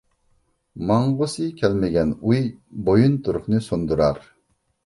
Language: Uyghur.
ماڭغۇسى كەلمىگەن ئۇي، بويۇنتۇرۇقنى سۇندۇرار.